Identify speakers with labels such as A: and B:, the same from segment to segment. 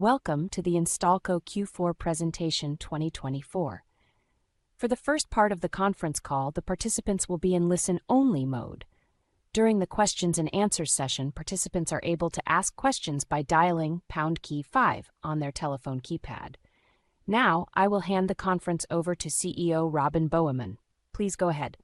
A: Welcome to the Instalco Q4 Presentation 2024. For the first part of the conference call, the participants will be in listen only mode. During the questions and answers session, participants are able to ask questions by dialing pound key five on their telephone keypad. Now I will hand the conference over to CEO Robin Boheman. Please go ahead.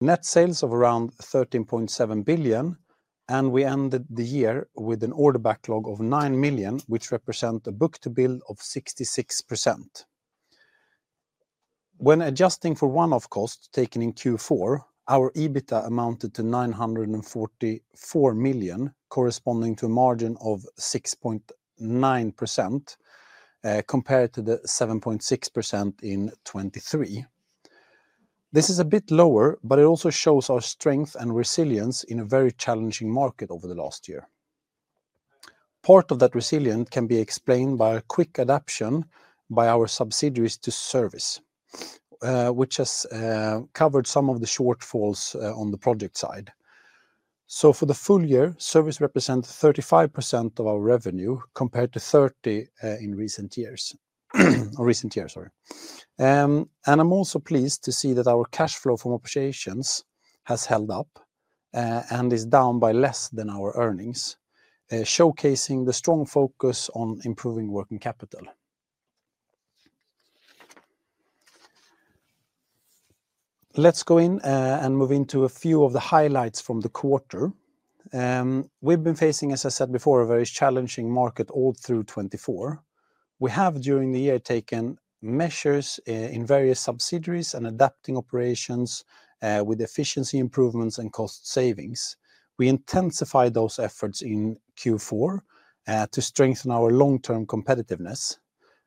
B: Net sales of around 13.7 billion and we ended the year with an order backlog of 9 million which represent a book-to-bill of 66%. When adjusting for one-off costs taken in Q4, our EBITDA amounted to 944 million corresponding to a margin of 3.69% compared to the 7.6% in 2023. This is a bit lower, but it also shows our strength and resilience in a very challenging market over the last year. Part of that resilience can be explained by a quick adaptation by our subsidiaries to Service which has covered some of the shortfalls on the Project side. So for the full year, Service represents 35% of our revenue compared to 30% in recent years and I'm also pleased to see that our cash flow from operations has held up and is down by less than our earnings, showcasing the strong focus on improving working capital. Let's go in and move into a few of the highlights from the quarter we've been facing. As I said before, a very challenging market. All through 2024 we have during the year taken measures in various subsidiaries and adapting operations with efficiency improvements and cost savings. We intensified those efforts in Q4 to strengthen our long term competitiveness.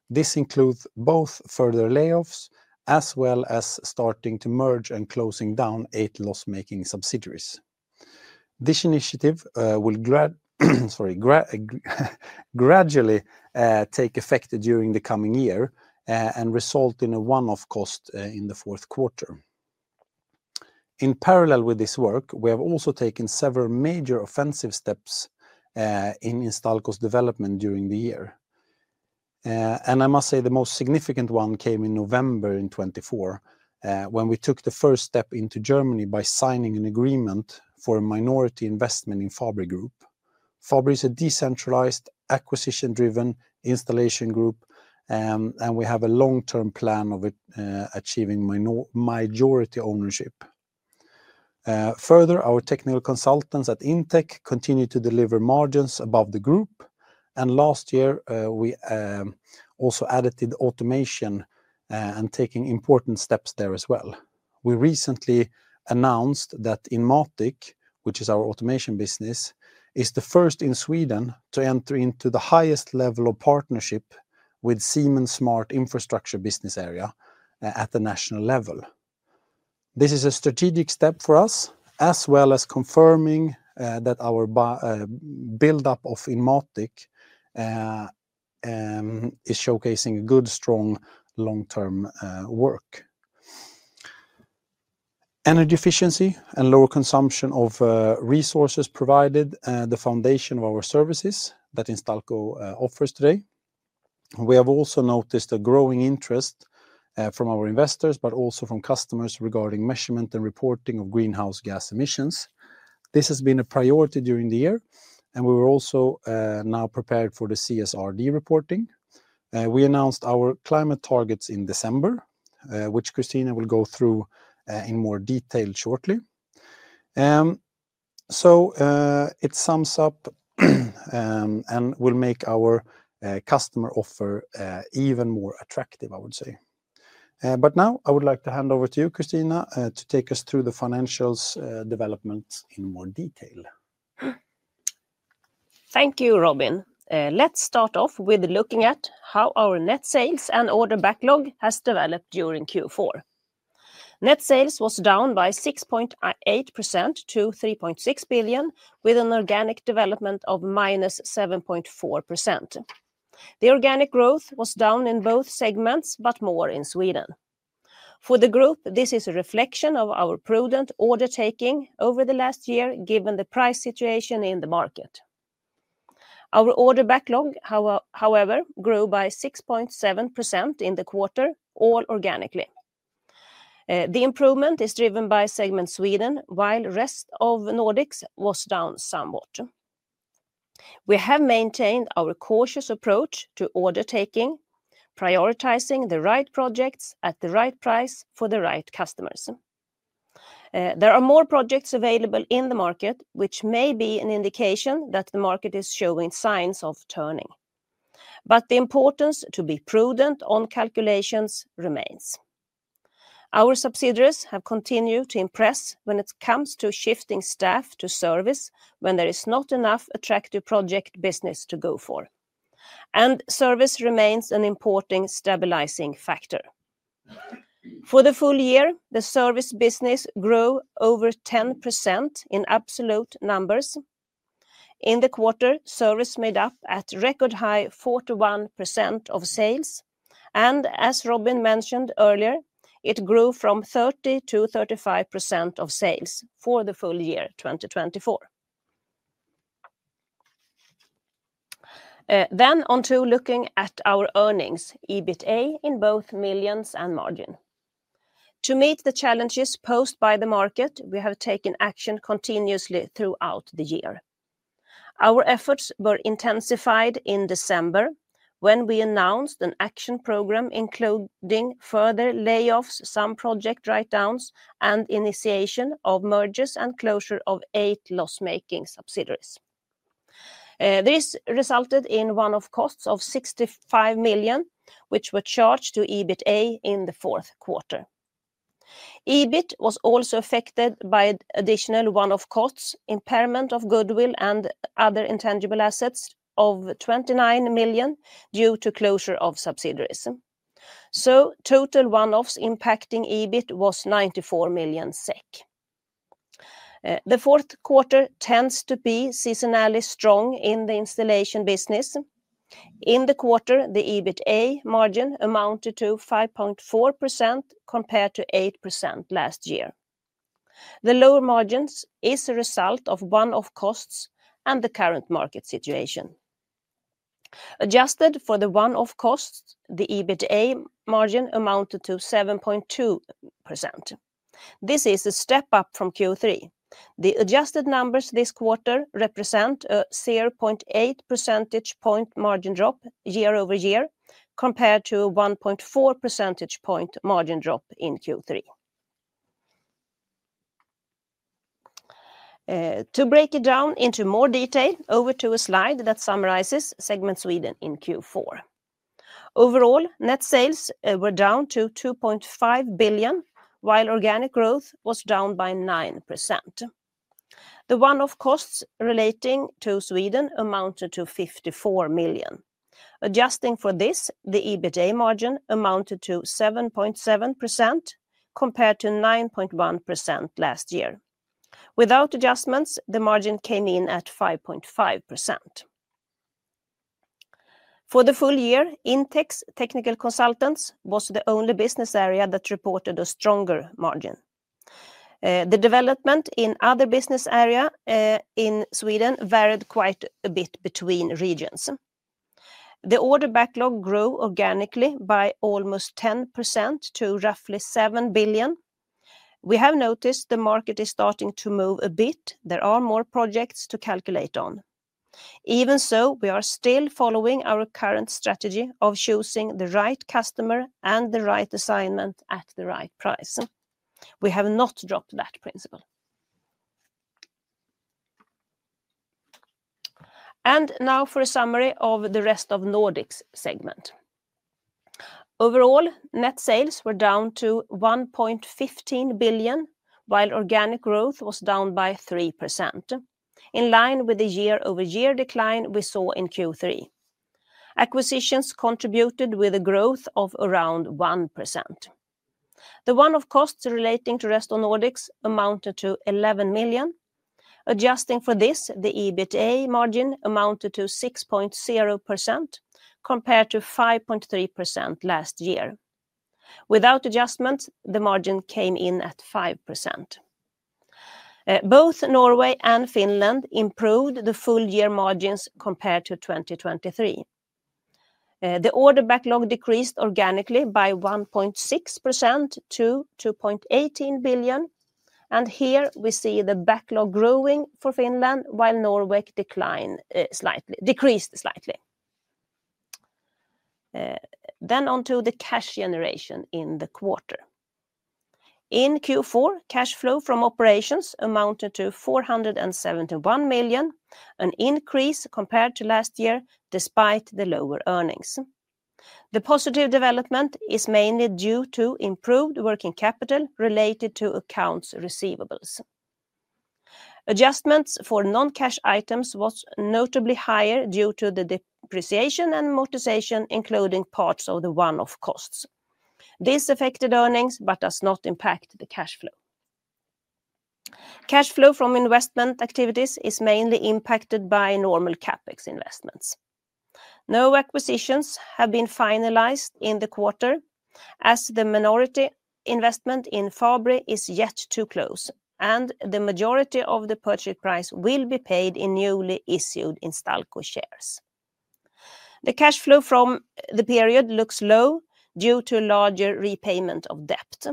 B: This includes both further layoffs as well as starting to merge and closing down eight loss making subsidiaries. This initiative will gradually take effect during the coming year and result in a one-off cost in the fourth quarter. In parallel with this work, we have also taken several major offensive steps in Instalco's development during the year and I must say the most significant one came in November 2024 when we took the first step into Germany by signing an agreement for a minority investment in Fabri Group. Fabri is a decentralized acquisition-driven installation group and we have a long-term plan of achieving majority ownership. Further, our Technical Consultants at Intec continue to deliver margins above the group and last year we also added Automation and taking important steps there as well. We recently announced that Inmatiq, which is our Automation business, is the first in Sweden to enter into the highest level of partnership with Siemens Smart Infrastructure business area at the national level. This is a strategic step for us as well as confirming that our buildup of Inmatiq. It's showcasing good, strong long-term work. Energy efficiency and lower consumption of resources provided the foundation of our services that Instalco offers today. We have also noticed a growing interest from our investors but also from customers regarding measurement and reporting of greenhouse gas emissions. This has been a priority during the year and we were also now prepared for the CSRD reporting. We announced our climate targets in December, which Christina will go through in more detail shortly. So it sums up and will make our customer offer even more attractive, I would say. But now I would like to hand over to you, Christina, to take us through the financials development in more detail.
C: Thank you, Robin. Let's start off with looking at how our net sales and order backlog has developed. During Q4, net sales was down by 6.8% to 3.6 billion, which is an organic development of -7.4%. The organic growth was down in both segments, but more in Sweden. For the group, this is a reflection of our prudent order taking over the last year given the price situation in the market. Our order backlog, however, grew by 6.7% in the quarter, all organically. The improvement is driven by segment Sweden, while Rest of Nordics was down somewhat. We have maintained our cautious approach to order taking, prioritizing the right projects at the right price for the right customers. There are more projects available in the market, which may be an indication that the market is showing signs of turning, but the importance to be prudent on calculations remains. Our subsidiaries have continued to impress when it comes to shifting staff to Service when there is not enough attractive Project business to go for and Service remains an important stabilizing factor. For the full year, the Service business grew over 10% in absolute numbers. In the quarter, service made up at record high 41% of sales and as Robin mentioned earlier, it grew from 30%-35% of sales for the full year 2024. Then, onto looking at our earnings, EBITA in both millions and margin, to meet the challenges posed by the market, we have taken action continuously throughout the year. Our efforts were intensified in December when we announced an action program including further layoffs, some project write-downs, and initiation of mergers and closure of eight loss-making subsidiaries. This resulted in one-off costs of 65 million, which were charged to EBITA in the fourth quarter. EBIT was also affected by additional one-off costs, impairment of goodwill and other intangible assets of 29 million due to closure of subsidiaries. So total one-offs impacting EBIT was 94 million SEK SEK. The fourth quarter tends to be seasonally strong in the Installation business. In the quarter, the EBITA margin amounted to 5.4% compared to 8% last year. The lower margins is a result of one-off costs and the current market situation. Adjusted for the one-off costs, the EBITA margin amounted to 7.2%. This is a step up from Q3. The adjusted numbers this quarter represent a 0.8 percentage point margin drop year-over-year compared to a 1.4 percentage point margin drop in Q3. To break it down into more detail, over to a slide that summarizes Sweden segment in Q4. Overall, net sales were down to 2.5 billion while organic growth was down by 9%. The one-off costs relating to Sweden amounted to 54 million. Adjusting for this, the EBITA margin amounted to 7.7% compared to 9.1% last year. Without adjustments, the margin came in at 5.5%.For the full year, Intec's Technical Consultants was the only business area that reported a stronger margin. The development in other business areas in Sweden varied quite a bit between regions. The order backlog grew organically by almost 10% to roughly 7 billion. We have noticed the market is starting to move a bit. There are more projects to calculate on. Even so, we are still following our current strategy of choosing the right customer and the right assignment at the right price. We have not dropped that principle. Now for a summary of the Rest of Nordics segment. Overall net sales were down to 1.15 billion while organic growth was down by 3% in line with the year-over-year decline we saw in Q3. Acquisitions contributed with a growth of around 1%. The one-off costs relating to Rest of Nordics amounted to 11 million. Adjusting for this, the EBITA margin amounted to 6.0% compared to 5.3% last year. Without adjustments, the margin came in at 5%. Both Norway and Finland improved the full year margins compared to 2023. The order backlog decreased organically by 1.6% to 2.18 billion. Here we see the backlog growing for Finland while Norway decreased slightly. On to the cash generation in the quarter. In Q4, cash flow from operations amounted to 471 million, an increase compared to last year. Despite the lower earnings, the positive development is mainly due to improved working capital related to accounts receivables. Adjustments for non-cash items was notably higher due to the dependent depreciation and amortization including parts of the one-off costs. This affected earnings but does not impact the cash flow. Cash flow from investment activities is mainly impacted by normal CapEx investments. No acquisitions have been finalized in the quarter as the minority investment in Fabri is yet to close and the majority of the purchase price will be paid in newly issued Instalco shares. The cash flow from the period looks low due to a larger repayment of debt.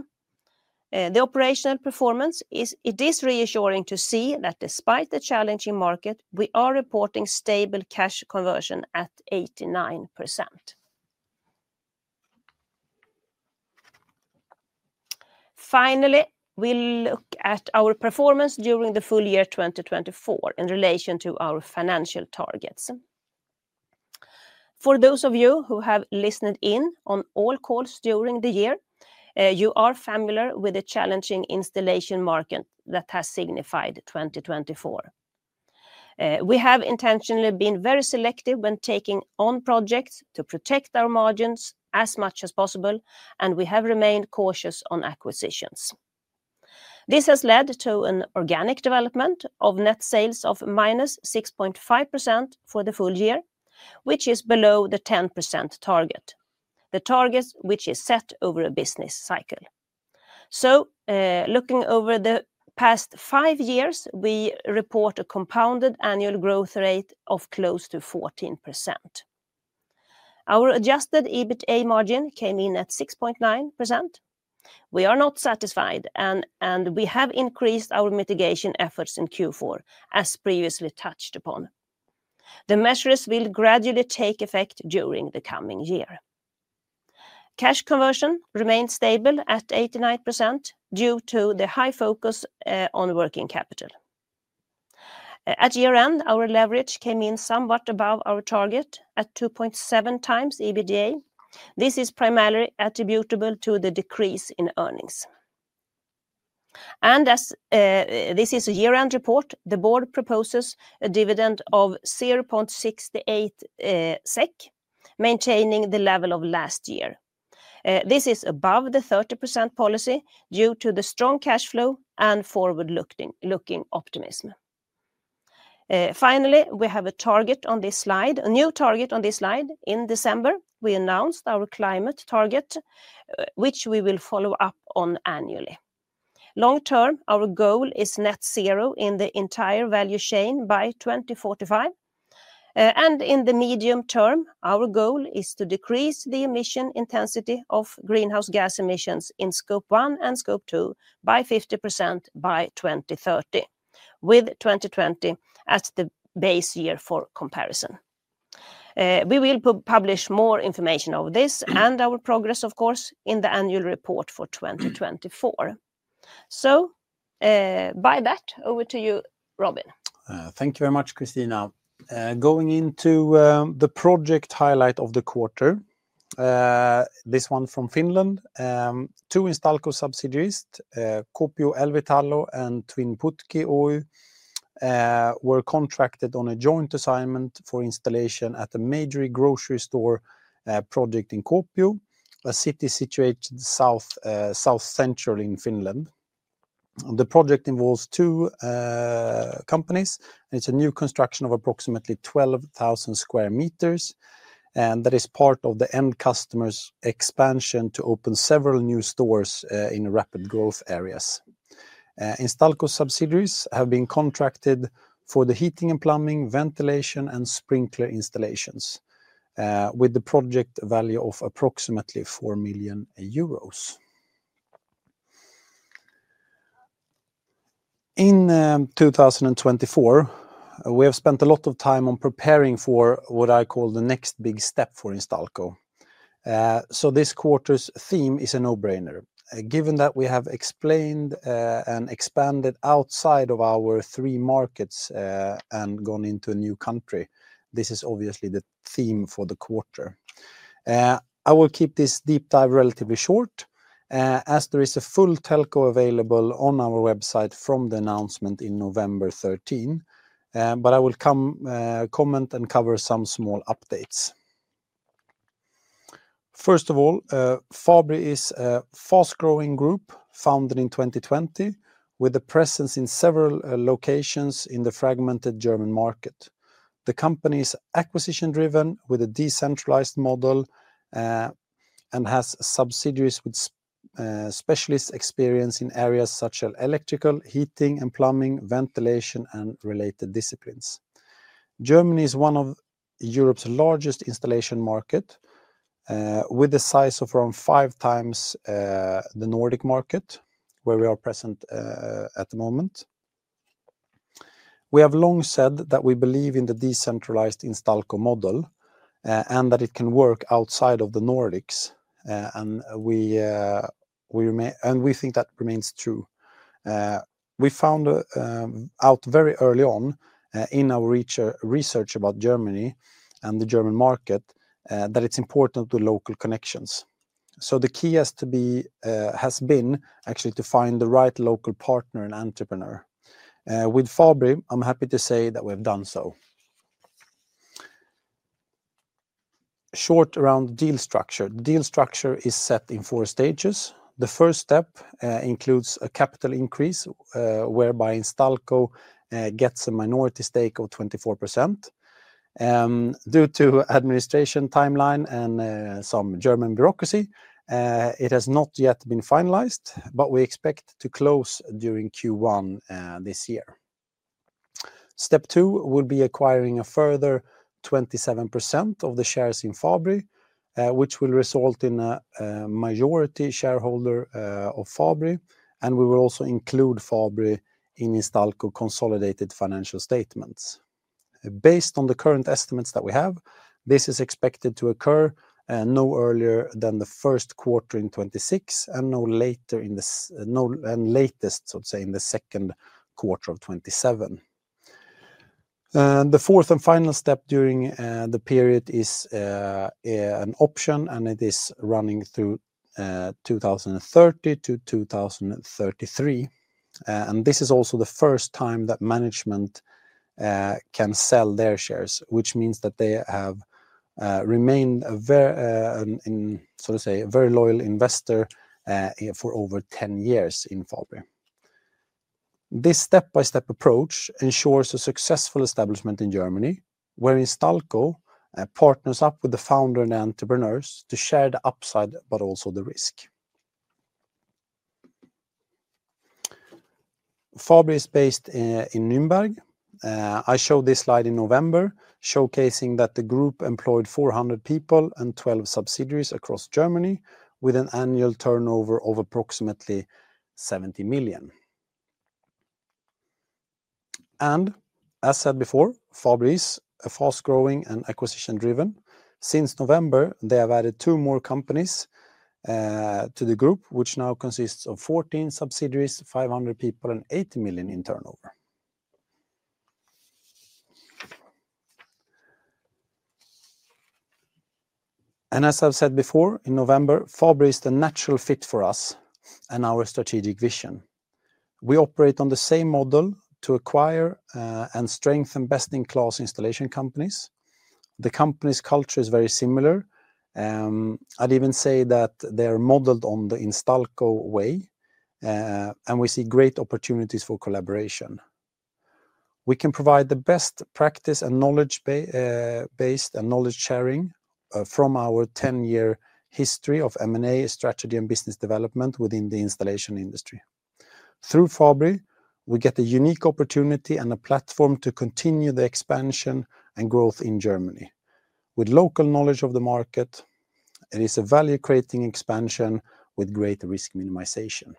C: The operational performance, it is reassuring to see that despite the challenging market, we are reporting stable cash conversion at 89%. Finally, we'll look at our performance during the full year 2024 in relation to our financial targets. For those of you who have listened in on all calls during the year, you are familiar with the challenging installation market that has signified 2024. We have intentionally been very selective when taking on projects to protect our margins as much as possible and we have remained cautious on acquisitions. This has led to an organic development of net sales of -6.6% for the full year, which is below the 10% target, the target which is set over a business cycle. Looking over the past five years we report a compounded annual growth rate of close to 14%. Our adjusted EBITA margin came in at 6.9%. We are not satisfied and we have increased our mitigation efforts in Q4 as previously touched upon, the measures will gradually take effect during the coming year. Cash conversion remained stable at 89% due to the high focus on working capital. At year end our leverage came in somewhat above our target at 2.7x EBITDA. This is primarily attributable to the decrease in earnings. As this is a year-end report, the board proposes a dividend of 0.68 SEK, maintaining the level of last year. This is above the 30% policy due to the strong cash flow and forward looking optimism. Finally, we have a target on this slide. A new target on this slide. In December we announced our climate target which we will follow up on annually. Long term our goal is net zero in the entire value chain by 2045 and in the medium term our goal is to decrease the emission intensity of greenhouse gas emissions in Scope 1 and Scope 2 by 50% by 2030 with 2020 as the base year for comparison. We will publish more information of this and our progress of course in the annual report for 2024. By that, over to you Robin.
B: Thank you very much Christina. Going into the project highlight of the quarter. This one from Finland, two Instalco subsidiaries, Kuopion LVI-Talo and Twinputki Oy were contracted on a joint assignment for installation at a major grocery store project in Kuopio, a city situated south central in Finland. The project involves two companies. It's a new construction of approximately 12,000 sq m and that is part of the end customer's expansion to open several new stores in rapid growth areas. Instalco subsidiaries have been contracted for the heating and plumbing, ventilation and sprinkler installations with the project value of approximately 4 million euros. In 2024, we have spent a lot of time. On preparing for what I call "The next big step for Instalco." This quarter's theme is a no-brainer given that we have explained and expanded outside of our three markets and gone into a new country. This is obviously the theme for the quarter. I will keep this deep dive relatively short as there is a full telco available on our website from the announcement in November 13, but I will comment and cover some small updates. First of all, Fabri is a fast growing group founded in 2020 with a presence in several locations in the fragmented German market. The company is acquisition-driven with a decentralized model and has subsidiaries with specialist experience in areas such as electrical, heating and plumbing, ventilation and related disciplines. Germany is one of Europe's largest installation markets with a size of around five times the Nordic market where we are present at the moment. We have long said that we believe in the decentralized Instalco model and that it can work outside of the Nordics. We think that remains true. We found out very early on in our research about Germany and the German market that it's important to local connections, so the key has been actually to find the right local partner and entrepreneur with Fabri. I'm happy to say that we've done so. Short around deal structure. Deal structure is set in four stages. The first step includes a capital increase whereby Instalco gets a minority stake of 24% due to administration timeline and some German bureaucracy. It has not yet been finalized, but we expect to close during Q1 this year. Step two will be acquiring a further 27% of the shares in Fabri, which will result in a majority shareholder of Fabri, and we will also include Fabri in Instalco consolidated financial statements. Based on the current estimates that we have, this is expected to occur no earlier than the first quarter in 2026, latest in the second quarter of 2027. The fourth and final step during the period is an option and it is running to 2030 to 2033 and this is also the first time that management can sell their shares, which means that they have remained, to say, a very loyal investor for over 10 years in Fabri. This step-by-step approach ensures a successful establishment in Germany where Instalco partners up with the founders and entrepreneurs to share the upside but also the risk. Fabri is based in Nuremberg. I showed this slide in November showcasing that the group employed 400 people and 12 subsidiaries across Germany with an annual turnover of approximately 70 million. As said before, Fabri is fast growing and acquisition-driven. Since November they have added two more companies to the group, which now consists of 14 subsidiaries, 500 people, and 80 million in turnover. As I've said before in November, Fabri is the natural fit for us and our strategic vision. We operate on the same model to acquire and strengthen best-in-class installation companies. The company's culture is very similar. I'd even say that they are modeled on the Instalco way and we see great opportunities for collaboration. We can provide the best practice and knowledge based and knowledge sharing from our 10 year history of M&A, strategy, and business development within the installation industry. Through Fabri we get a unique opportunity and a platform to continue the expansion and growth in Germany with local knowledge of the market and it's a value creating expansion with great risk minimization.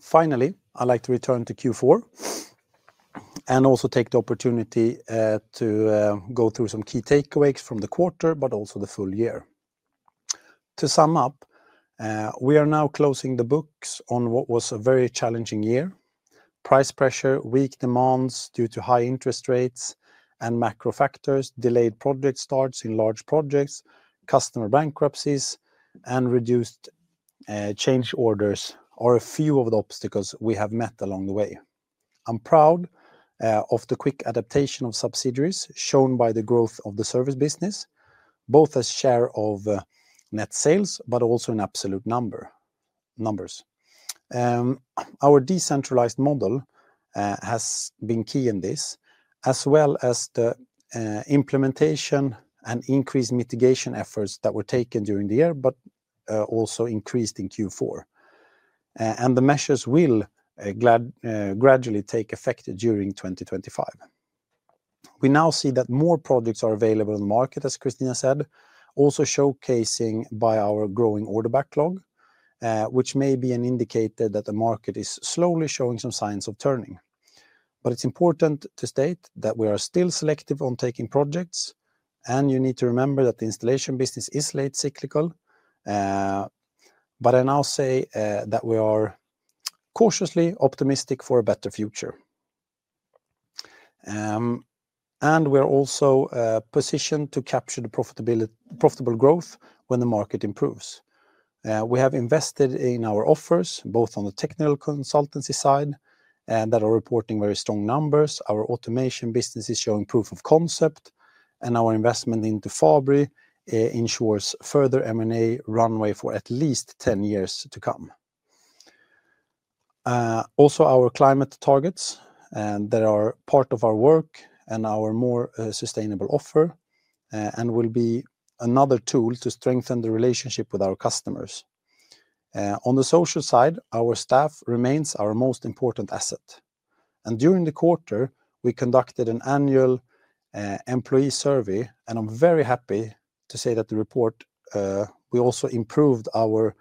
B: Finally, I'd like to return to Q4 and also take the opportunity to go through some key takeaways from the quarter but also the full year. To sum up, we are now closing the books on what was a very challenging year. Price pressure, weak demands due to high interest rates and macro factors, delayed project starts in large projects, customer bankruptcies and reduced change orders are a few of the obstacles we have met along the way. I'm proud of the quick adaptation of subsidiaries shown by the growth of the service business, both as share of net sales but also in absolute numbers. Our decentralized model has been key in this as well as the implementation and increased mitigation efforts that were taken during the year but also increased in Q4 and the measures will gradually take effect during 2025. We now see that more projects are available in the market as Christina said, also showcasing by our growing order backlog which may be an indicator that the market is slowly showing some signs of turning. It is important to state that we are still selective on taking projects and you need to remember that the Installation business is late cyclical. But I now say that we are cautiously optimistic for a better future. We are also positioned to capture the profitable growth when the market improves. We have invested in our offers both on the Technical Consulting side and that are reporting very strong numbers. Our Automation business is showing proof of concept and our investment into Fabri ensures further M&A runway for at least 10 years to come. Also, our climate targets that are part of our work and our more sustainable offer will be another tool to strengthen the relationship with our customers. On the social side, our staff remains our most important asset and during the quarter we conducted an annual employee survey and I'm very happy to say that in the report we also improved our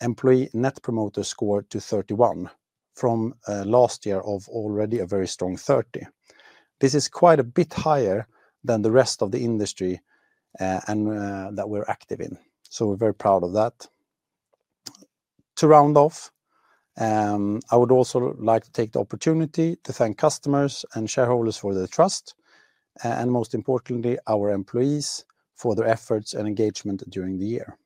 B: Employee Net Promoter Score to 31 from last year of already a very strong 30. This is quite a bit higher than the rest of the industry. That we are active in, so we are very proud of that. To round off, I would also like to take the opportunity to thank customers and shareholders for their trust and most importantly our employees for their efforts and engagement during the year.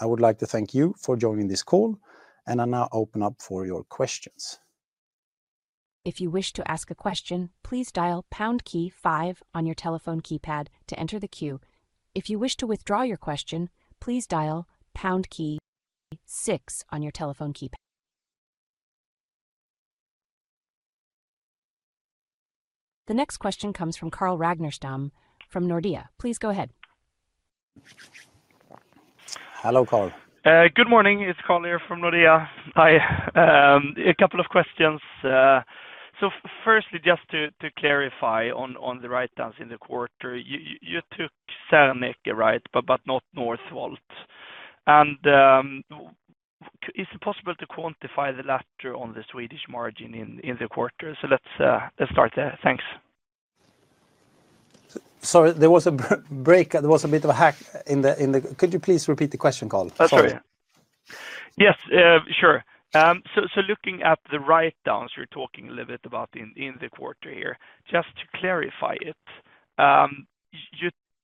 B: I would like to thank you for joining this call and I now open up for your questions.
A: If you wish to ask a question, please dial pound key five on your telephone keypad to enter the queue. If you wish to withdraw your question, please dial pound key 6 on your telephone keypad. The next question comes from Carl Ragnerstam from Nordea. Please go ahead.
B: Hello, Carl.
D: Good morning, it's Carl here from Nordea. Hi. A couple of questions. Firstly, just to clarify on the right answer in the quarter you took right, but not Northvolt and. Is it possible to quantify the latter on the Swedish margin in the quarter? Let's start there. Thanks.
B: Sorry, there was a break, there was a bit of a hack. Could you please repeat the question, Carl?
D: Yes, sure. Looking at the write downs you're talking a little bit about in the quarter here, just to clarify it.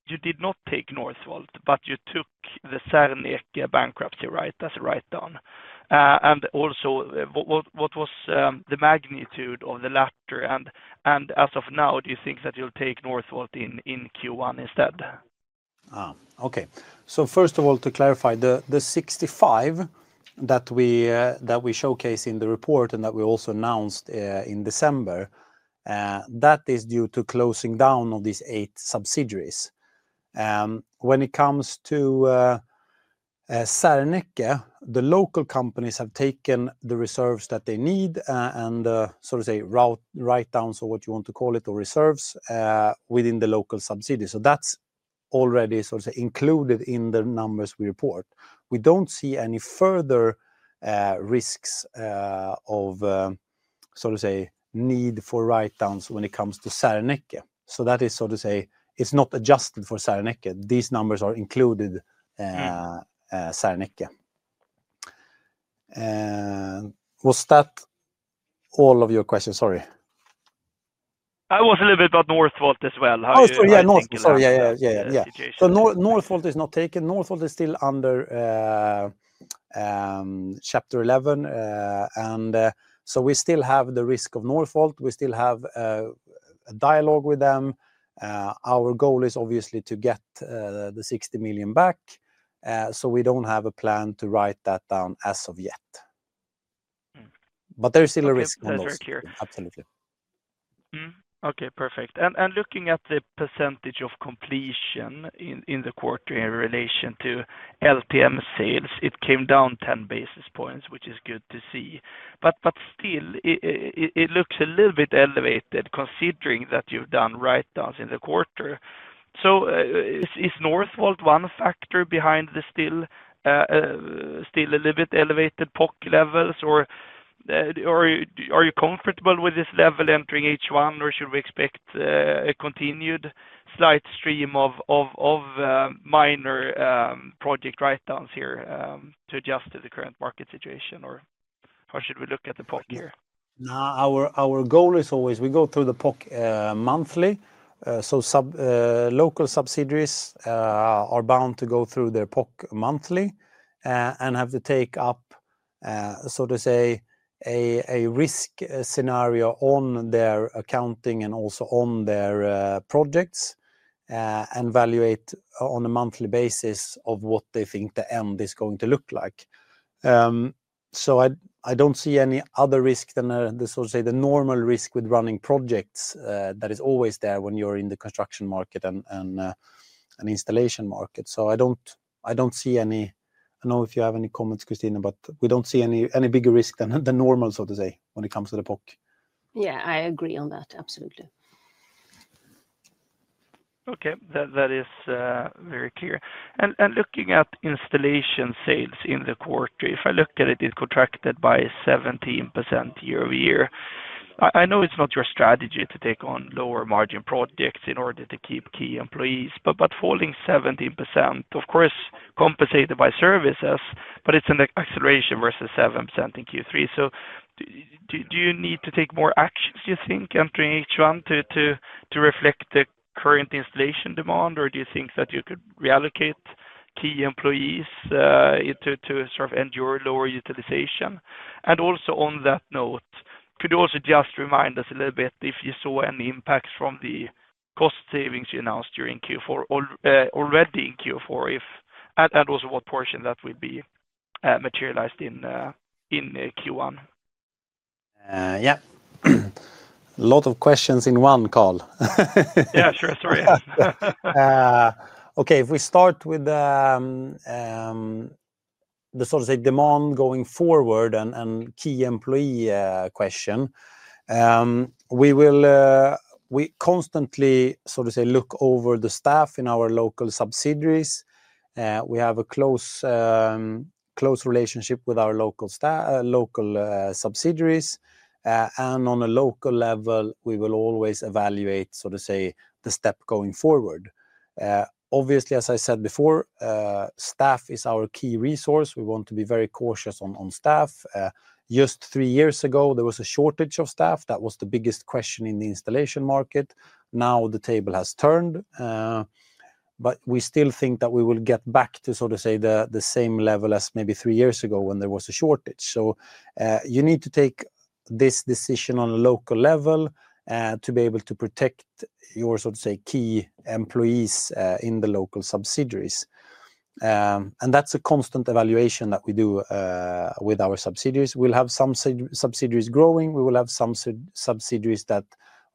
D: You did not take Northvolt, but you took the Serneke bankruptcy, right, as a write-down. Also, what was the magnitude of the latter and as of now do you think that you'll take Northvolt in Q1 instead?
B: Okay, first of all, to clarify the 65. That we showcase in the report and that we also announced in December, that is due to closing down of these eight subsidiaries. When it comes to Serneke, the local companies have taken the reserves that they need and, so to say, write down, so what you want to call it, or reserves within the local subsidiary. That is already sort of included in the numbers we report. We don't see any further risks of, so to say, need for write-downs when it comes to Serneke. That is, so to say, it's not adjusted for Serneke. These numbers are included with Serneke. Was that all of your questions? Sorry,
D: I was a little bit about Northvolt as well.
B: Northvolt is not taken. Northvolt is still under Chapter 11. We still have the risk of Northvolt. We still have a dialogue with them. Our goal is obviously to get the 60 million back. We do not have a plan to write that down as of yet. There is still a risk here. Absolutely.
D: Okay, perfect. Looking at the percentage of completion in the quarter in relation to LTM sales, it came down 10 basis points, which is good to see. It still looks a little bit elevated considering that you've done write-downs in the quarter. Is Northvolt one factor behind that still?A little bit elevated POC levels? Are you comfortable with this level entering H1 or should we expect a continued slight stream of minor project write-downs here to adjust to the current market situation? How should we look at the POC here?
B: Our goal is always we go through the POC monthly. Local subsidiaries are bound to go through their POC monthly and have to take up, so to say, a risk scenario on their accounting and also on their projects and valuate on a monthly basis of what they think the end is going to look like. I don't see any other risk than the sort of say the normal risk with running projects that is always there when you're in the construction market and an installation market. I don't, I don't see any. I know if you have any comments, Christina, but we do not see any bigger risk than the normal, so to say when it comes to the POC.
C: Yeah, I agree on that. Absolutely.
D: Okay, that is very clear. Looking at installation sales in the quarter, if I look at it, it contracted by 17% year-over-year. I know it's not your strategy to take on lower margin projects in order to keep key employees, but falling 17% of course compensated by Services, but it's an acceleration versus 7% in Q3. Do you need to take more actions, do you think entering Q1 to reflect the current installation demand or do you think that you could reallocate key employees to endure lower utilization? Also on that note, could you also just remind us a little bit if you saw any impacts from the cost savings you announced during Q4 already in Q4 and also what portion that will be materialized in Q1?
B: Yeah, a lot of questions in one call.
D: Yeah, sure. Sorry.
B: Okay. If we start with the sort of demand going forward and key employee question. We constantly, so to say, look over the staff in our local subsidiaries. We have a close relationship with our local subsidiaries. On a local level we will always evaluate, sort of say, the step going forward. Obviously, as I said before, staff is our key resource. We want to be very cautious on staff. Just three years ago there was a shortage of staff. That was the biggest question in the installation market. Now the table has turned, but we still think that we will get back to, sort of say, the same level as maybe three years ago when there was a shortage. You need to take this decision on a local level to be able to protect your, sort of say, key employees in the local subsidiaries. That is a constant evaluation that we do with our subsidiaries. We will have some subsidiaries growing. We will have some subsidiaries that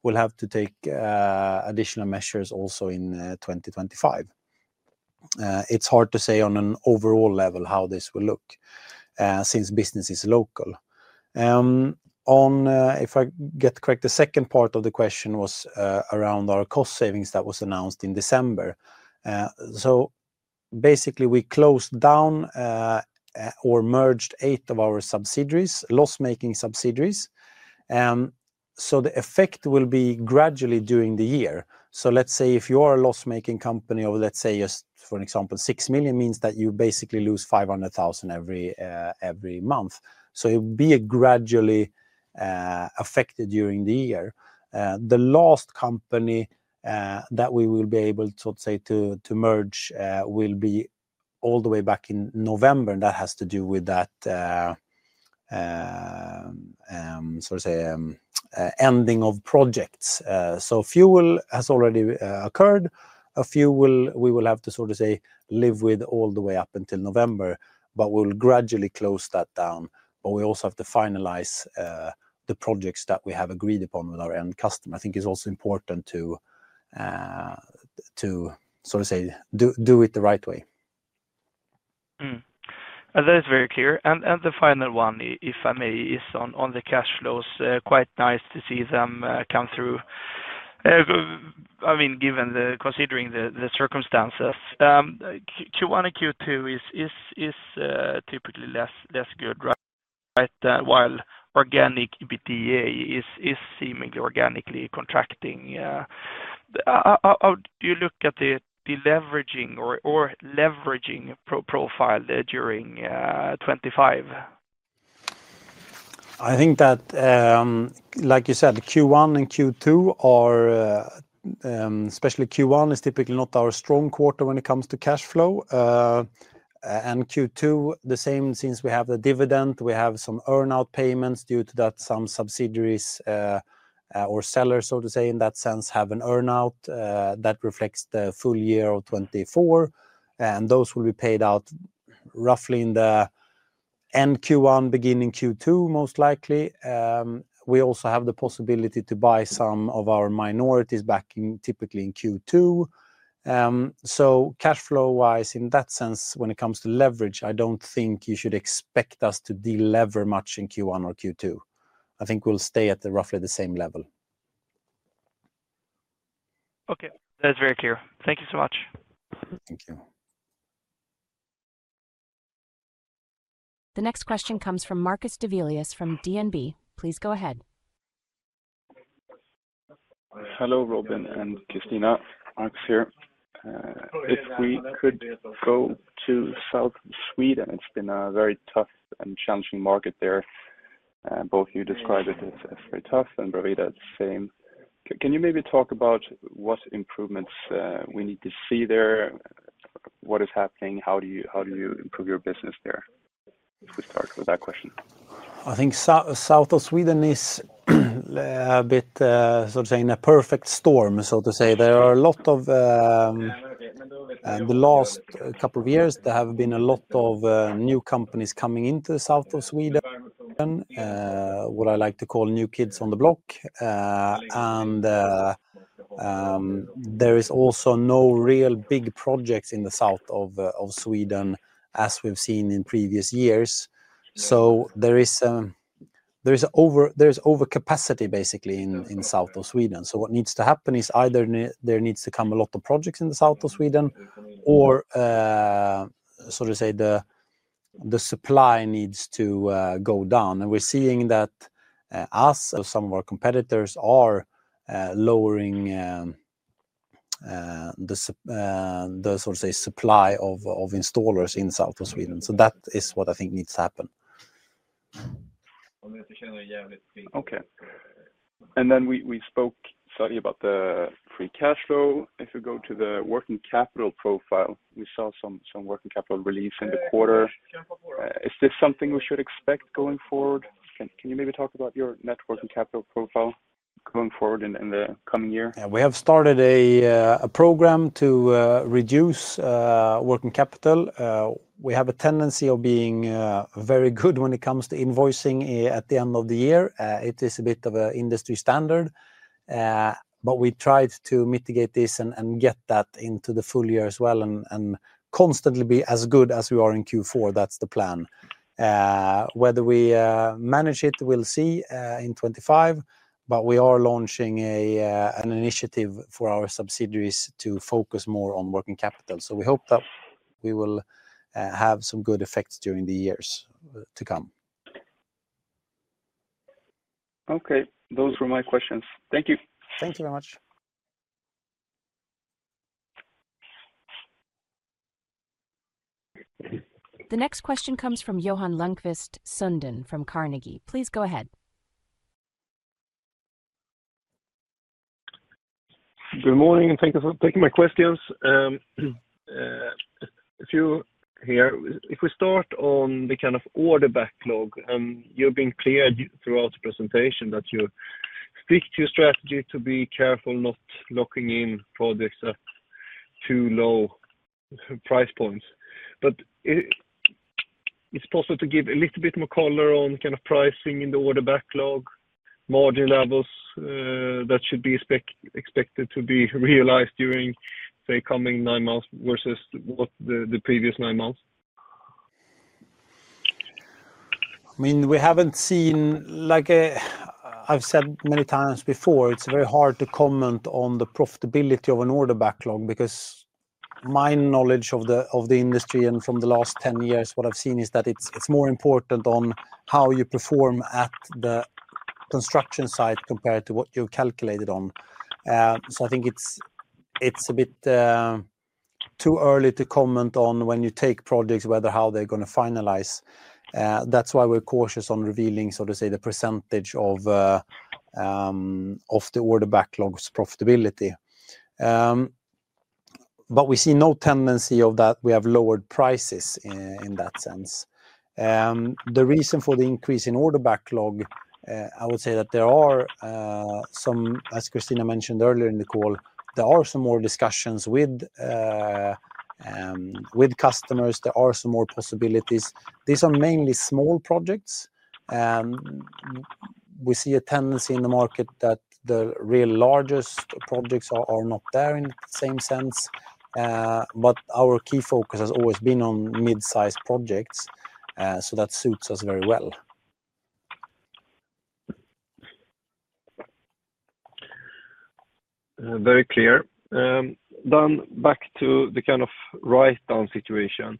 B: will have to take additional measures also in 2025. It's hard to say on an overall level how this will look since business is local. If I get correct, the second part of the question was around our cost savings that was announced in December. Basically we closed down or merged eight of our subsidiaries, loss-making subsidiaries. The effect will be gradually during the year. Let's say if you are a loss-making company or let's say, for example, 6 million means that you basically lose 500,000 every month. It would be gradually affected during the year. The last company that we will be able to merge will be all the way back in November. That has to do with that. Sort of say ending of projects. Fuel has already occurred. A few we will have to sort of say live with all the way up until November. We will gradually close that down. We also have to finalize the projects that we have agreed upon with our end customer. I think it's also important to, to sort of say, do it the right way.
D: That is very clear. The final one if I may is on the cash flows quite nice to see them come through. I mean given the considering the circumstances. Q1 and Q2 is typically less good while organic EBITDA is seemingly organically contracting. How do you look at the deleveraging or leveraging profile during 2025?
B: I think that like you said, Q1 and Q2 are, especially Q1 is typically not our strong quarter when it comes to cash flow and Q2 the same. Since we have the dividend, we have some earn out payments due to that. Some subsidiaries or sellers, so to say in that sense have an earn out that reflects the full year of 2024 and those will be paid out roughly in the end of Q1 beginning Q2, most likely. We also have the possibility to buy some of our minorities back in typically in Q2. Cash flow wise in that sense, when it comes to leverage, I do not think you should expect us to delever much in Q1 or Q2. I think we will stay at roughly the same level.
D: Okay, that's very clear. Thank you so much.
B: Thank you.
A: The next question comes from Marcus de Villius from DNB. Please go ahead. Hello, Robin and Christina. Marcus here. If we could go to South Sweden. It's been a very tough and challenging market there. Both you describe it as very tough and Bravida same. Can you maybe talk about what improvements we need to see there? What is happening? How do you, how do you improve your business there? If we start with that question.
B: I think South Sweden is a bit sort of saying a perfect storm, so to say there are a lot of—the last couple of years there have been a lot of new companies coming into the south of Sweden, what I like to call new kids on the block. There is also no real big projects in the south of Sweden as we've seen in previous years. So. There's overcapacity basically in South Sweden. What needs to happen is either there needs to come a lot of projects in the south of Sweden or the supply needs to go down. We're seeing that some of our competitors are lowering the sort of supply of installers in South Sweden. That is what I think needs to happen. Okay. We spoke sadly about the free cash flow. If you go to the working capital profile, we saw some working capital release in the quarter. Is this something we should expect going forward? Can you maybe talk about your working capital profile going forward in the coming year? We have started a program to reduce working capital. We have a tendency of being very good when it comes to invoicing at the end of the year. It is a bit of an industry standard. We tried to mitigate this and get that into the full year as well and constantly be as good as. We are in Q4. That's the plan. Whether we manage it, we'll see in 2025. We are launching an initiative for our subsidiaries to focus more on working capital. We hope that we will have some good effects during the years to come. Okay, those were my questions. Thank you. Thank you very much.
A: The next question comes from Johan Lönnqvist Sundén from Carnegie. Please go ahead.
E: Good morning and thank you for taking my questions. If you start on the kind of order backlog and you've been clear throughout the presentation that you stick to your strategy to be careful not locking in products at too low price points. Is it possible to give a little bit more color on kind of pricing in the order backlog margin levels that should be expected to be realized during, say, coming nine months versus the previous nine months?
B: I mean we haven't seen like I've said many times before, it's very hard to comment on the profitability of an order backlog because my knowledge of the, of the industry and from the last 10 years what I've seen is that it's more important on how you perform at the construction site compared to what you calculated on. I think it's a bit too early to comment on when you take projects whether how they're going to finalize. That's why we're cautious on revealing so to say the percentage of the order backlog's profitability. We see no tendency of that. We have lowered prices in that sense. The reason for the increase in order backlog, I would say that there are some, as Christina mentioned earlier in the call, there are some more discussions with customers, there are some more possibilities. These are mainly small projects. We see a tendency in the market. That the real largest projects are not. Our key focus has always been on mid-sized projects. That suits us very well.
E: Very clear. Dan, back to the kind of write down situation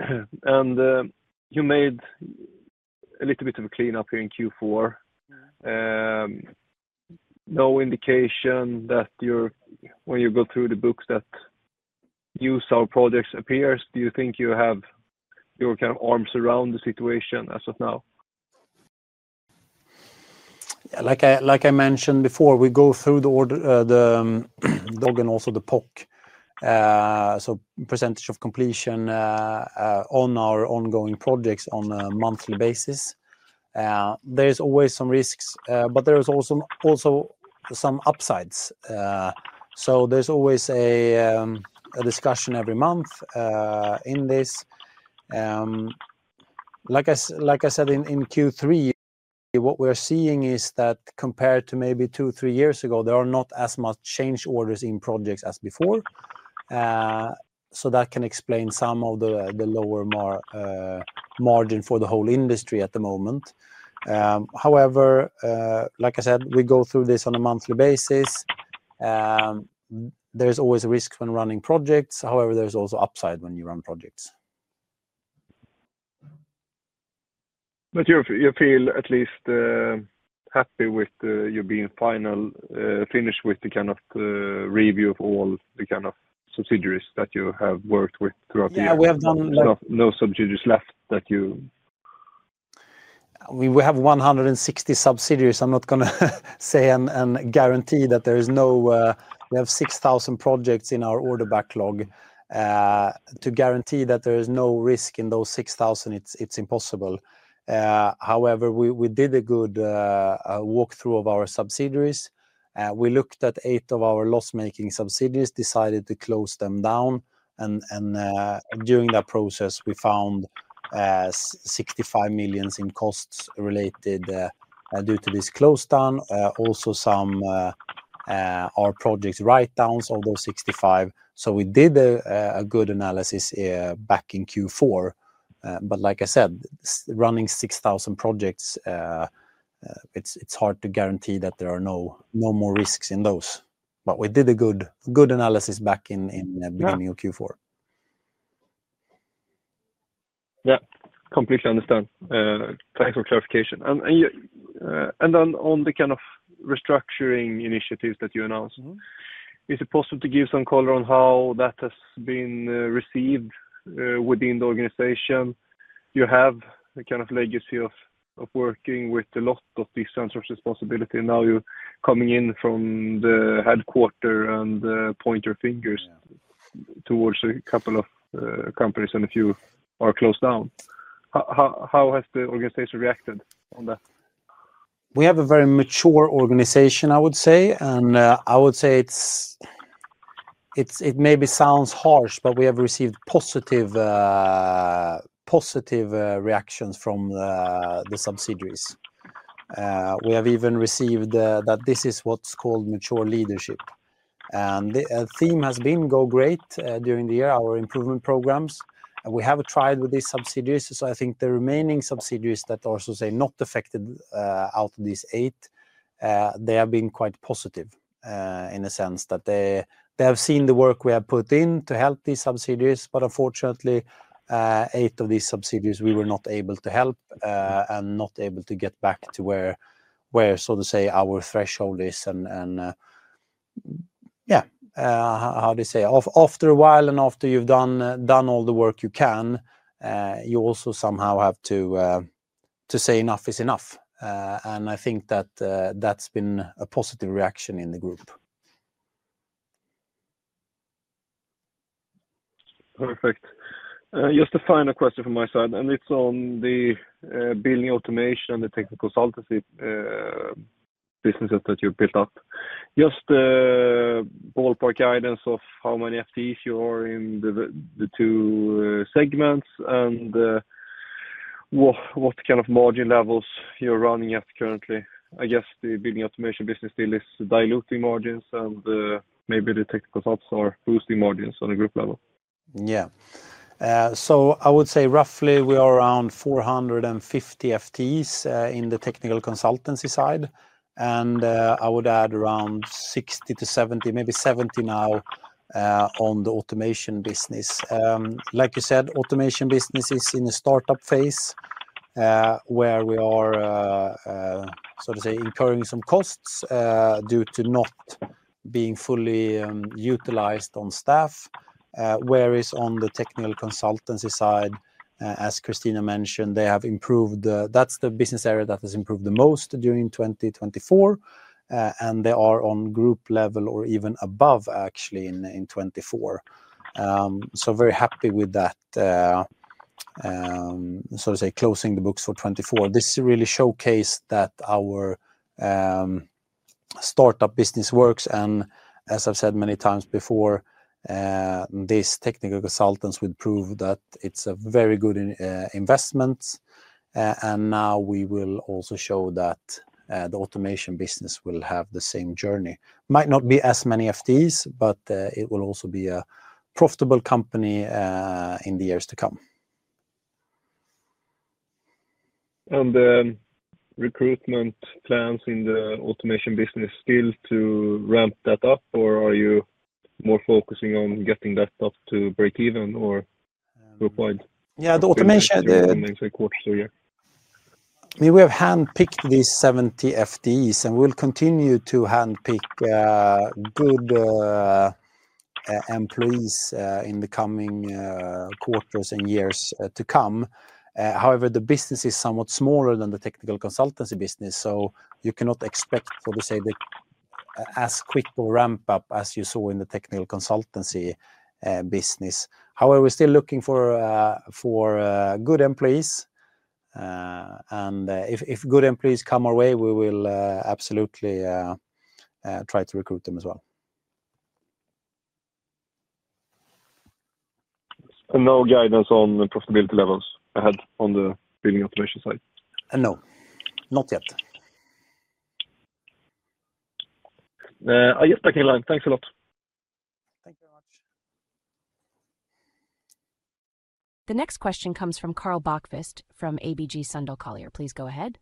E: and you made a little bit of a cleanup here in Q4. No indication that you're, when you go through the books that use our projects appears, do you think you have your kind of arms around the situation as of now?
B: Like I mentioned before, we go through. The order, the dog and also the POC. Percentage of completion on our ongoing projects on a monthly basis, there's always some risks but there is also some upsides. There's always a discussion every month in this. Like I said in Q3, what we're seeing is that compared to maybe two, three years ago, there are not as much change orders in projects as before. That can explain some of the lower margin for the whole industry at the moment. However, like I said, we go through. This on a monthly basis. There's always a risk when running projects. However, there's also upside when you run projects.
E: You feel at least happy with you being final finished with the kind of review of all the kind of subsidiaries that you have worked with throughout the year?
B: We are done.
E: No subsidiaries left that you.
B: We have 160 subsidiaries. I'm not going to say and guarantee that there is no. We have 6,000 projects in our order backlog to guarantee that there is no risk in those 6,000. It's impossible. However, we did a good walkthrough of our subsidiaries. We looked at eight of our loss making subsidiaries, decided to close them down and during that process we found 65 million in costs related due to this close down. Also some of our projects write downs, although 65 million. We did a good analysis back in Q4, but like I said running 6,000 projects it's hard to guarantee that. There are no more risks in those. We did a good analysis back in beginning of Q4.
E: Yeah, completely understand. Thanks for clarification. On the kind of restructuring initiatives that you announced, is it possible to give some color on how that has been received within the organization? You have a kind of legacy of working with a lot of this sense of responsibility. Now you're coming in from the headquarter and pointing fingers towards a couple of companies and a few are closed down. How has the organization reacted on that?
B: We have a very mature organization I would say and I would say it's, it's, it maybe sounds harsh but we have received positive, positive reactions from the subsidiaries. We have even received that this is what's called "mature leadership." The theme has been going great during the year. Our improvement programs we have tried with these subsidiaries. I think the remaining subsidiaries that also say not affected out of these eight, they have been quite positive in a sense that they have seen the work we have put in to help these subsidiaries. Unfortunately, eight of these subsidiaries we were not able to help and not able to get back to where, so to say, our threshold is. How do you say after a while and after you've done all the work you can, you also somehow have to say enough is enough. I think that that's been a positive reaction in the group.
E: Perfect. Just a final question from my side and it's on the building Automation and the Technical Consultancy businesses that you built up. Just the ballpark guidance of how many FTEs you are in the two segments. And.What kind of margin levels you're running at currently. I guess the building automation business deal is diluting margins and maybe the technical thoughts are boosting margins on a group level.
B: Yeah. I would say roughly we are around 450 FTEs in the Technical Consultancy side and I would add around 60-70, maybe 70 now on the automation business. Like you said, automation business is in the startup phase where we are, so to say, incurring some costs due to not being fully utilized on staff. Whereas on the Technical Consultancy side, as Christina mentioned, they have improved. That's the business area that has improved. The most during 2024 and they are. On group level or even above actually in 2024. So very happy with that. To say, closing the books for 2024. This really showcased that our. Startup business works. And as I've said many times before, these technical consultants would prove that it's a very good investment. And now we will also show that the automation business will have the same journey. Might not be as many of these, but it will also be profitable company in the years to come.
E: The recruitment plans in the automation business still to ramp that up or are you more focusing on getting that up to break even or?
B: Yeah, the automation. We have hand-picked. These 70 FDs and we'll continue to hand pick good. Employees in the coming quarters and years to come. However, the business is somewhat smaller than the Technical Consulting business. So you cannot expect for the sake of a quick ramp up as you saw in the Technical Consulting business. However, we're still looking for good employees. If good employees come our way, we will absolutely try to recruit them as well.
E: No guidance on profitability levels ahead on the building Automation side?
B: No, not yet.
E: I just take in line. Thanks a lot.
B: Thank you very much.
A: The next question comes from Karl Bokvist from ABG Sundal Collier. Please go ahead.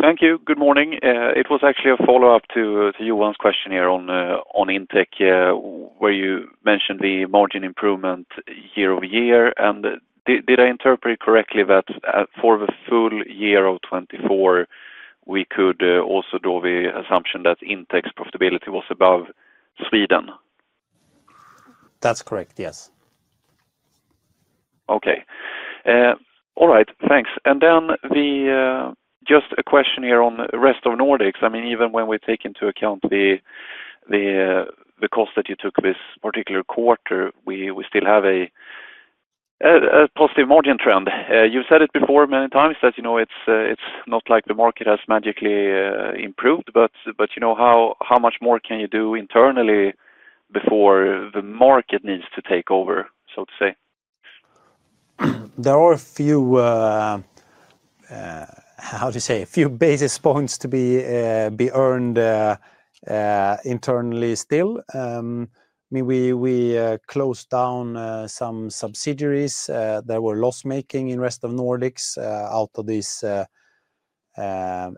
A: Thank you.
F: Good morning. It was actually a follow up to Johan's question here on Intec where you mentioned the margin improvement year-over-year and did I interpret correctly that for the full year of 2024 we could also draw the assumption that Intec's profitability was above Sweden?
B: That's correct, yes.
F: Okay. All right, thanks. And then just a question here on Rest of Nordics. I mean even when we take into accoun the cost that you took this particular quarter, we still have a positive margin trend. You've said it before many times that it's not like the market has magically improved, but how much more can you do internally before the market needs to take over? So to say.
B: There are a few, how to say, a few basis points to be earned internally still, maybe we closed down some subsidiaries that were. Loss-making in Rest of Nordics. Out of these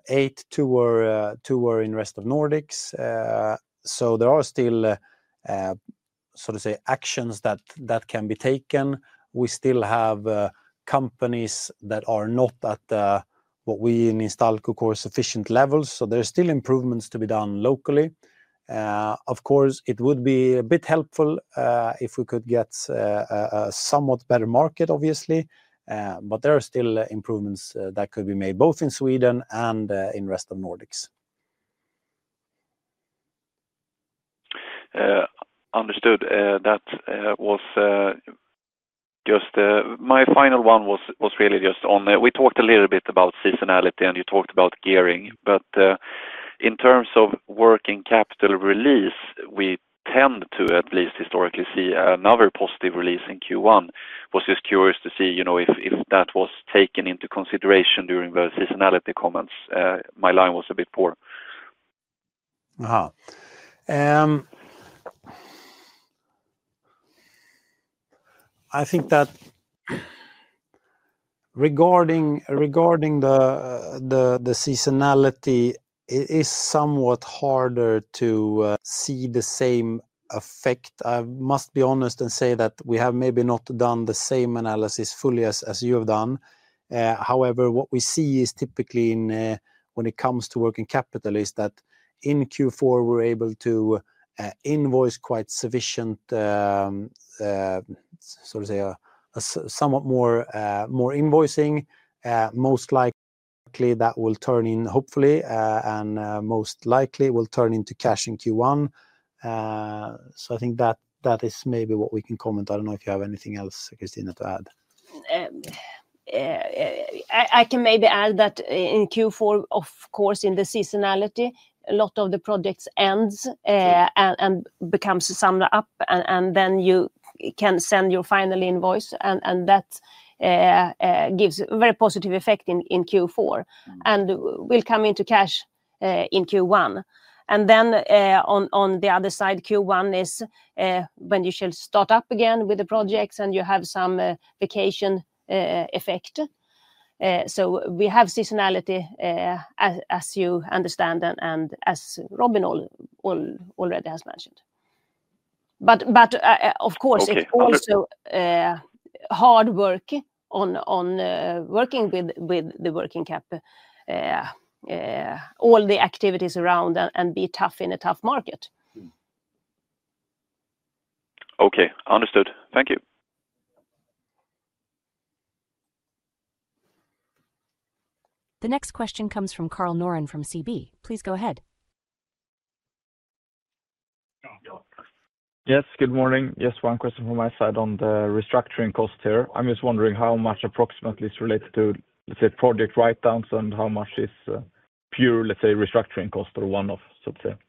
B: eight, two were in Rest of Nordics. So there are still, so to say actions that can be taken. We still have companies that are not at what we in Instalco call sufficient levels. So there's still improvements to be done locally. Of course it would be a bit helpful if we could get a somewhat better market, obviously, but there are still improvements that could be made both in Sweden and in the Rest of the Nordics.
F: Understood, that was just my final one. It was really just on, we talked a little bit about seasonality and you talked about gearing, but in terms of working capital release, we tend to at least historically see another positive release in Q1. I was just curious to see, you know, if that was taken into consideration during the seasonality comments. My line was a bit poor.
B: I think that. Regarding the seasonality, it is somewhat harder to see the same effect. I must be honest and say that we have maybe not done the same analysis fully as you have done. However, what we see is typically when it comes to working capital is that in Q4 we're able to invoice quite sufficien, so to say, somewhat more invoicing. Most likely that will turn in hopefully. Most likely will turn into cash in Q1. So I think that is maybe what we can comment. I don't know if you have anything else, Christina, to add?
C: I can maybe add that in Q4, of course, in the seasonality, a lot of the projects ends and becomes summed up, and then you can send your final invoice, and that gives a very positive effect in Q4 and will come into cash in Q1, and then on the other side, Q1 is when you shall start up again with the projects and you have some vacation effect, so we have seasonality as you understand and as Robin already has mentioned, but of course it's also hard work on working with the working cap. All the activities around have been tough in a tough market.
F: Okay, understood. Thank you.
A: The next question comes from Karl Norén from SEB. Please go ahead.
G: Yes, good morning. Just one question from my side on the restructuring cost here. I'm just wondering how much approximately is related to, let's say, project write-downs and how much is pure, let's say, restructuring cost or one-off costs.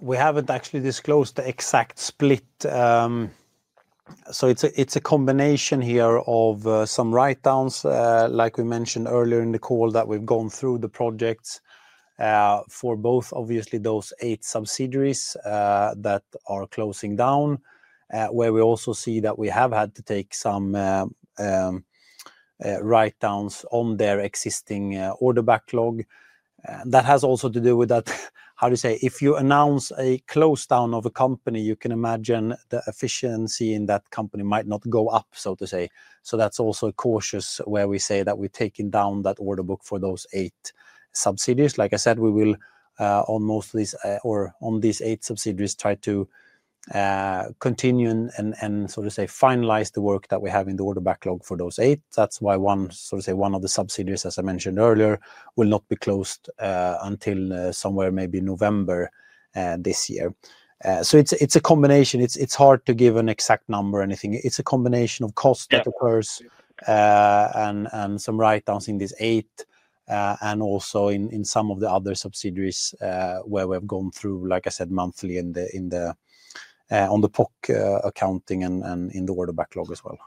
B: We haven't actually disclosed the exact split. So it's a combination here of some write-downs like we mentioned earlier in the call that we've gone through the projects for both, obviously those eight subsidiaries that are closing down, where we also see that we have had to take some write-downs on their existing order backlog. That has also to do with that, how to you say, if you announce a close down of a company you can imagine the efficiency in that company might not go up so to say so that's also cautious where we say that we're taking down that order book for those eight subsidiaries. Like I said, we will on most of these or on these eight subsidiaries try to continue and so to say finalize the work that we have in the order backlog for those eight. That's why one, sort of say one of the subsidiaries as I mentioned earlier, will not be closed until somewhere maybe November this year. So it's a combination. It's hard to give an exact number anything. It's a combination of costs that occur and some write-downs in this entity and also in some of the other subsidiaries where we have gone through, like I said, monthly in the POC accounting and in the order backlog as well.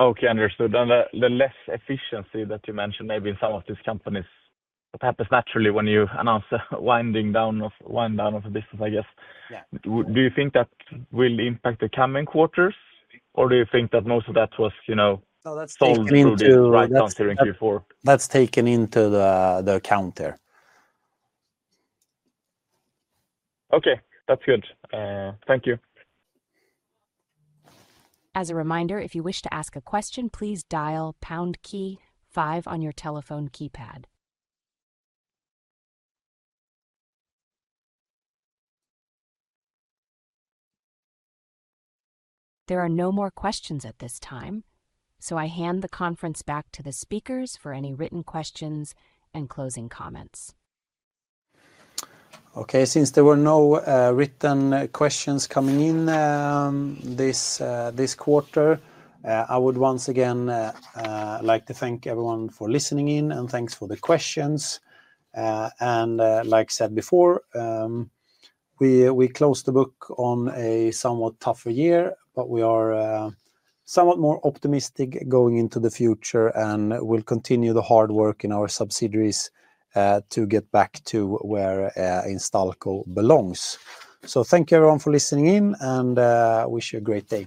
G: Okay, understood. And the less efficiency that you mentioned maybe in some of these companies, what happens naturally when you announce the winding down of a business? I guess do you think that will impact the coming quarters or do you think that most of that was, you. so we've turned the corner in Q4.
B: That's taken into account.
G: Okay, that's good. Thank you.
A: As a reminder, if you wish to ask a question, please dial pound key five on your telephone keypad. There are no more questions at this time, so I hand the conference back to the speakers for any written questions and closing comments.
B: Okay. Since there were no written questions coming. In this quarter, I would once again like to thank everyone for listening. And thanks for the questions. And like said before, we closed. The book on a somewhat tougher year, but we are somewhat more optimistic going. Into the future and will continue the. Hard work in our subsidiaries to get back to where Instalco belongs. So, thank you, everyone, for listening in and wish you a great day.